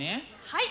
はい。